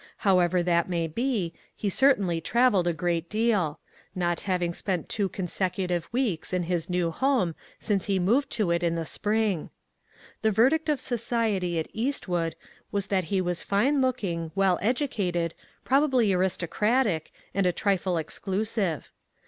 However that may be, THINGS HARD TO EXPLAIN. 6/ he certainly travelled a great deal ; not hav ing spent two consecutive weeks in his new home since he moved to it in the spring. The verdict of society at Eastwood was that he was fine looking, well educated, probably aristocratic and a trifle exclusive.